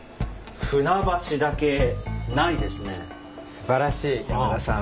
すばらしい山田さん。